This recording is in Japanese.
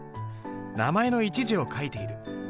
名前の一字を書いている。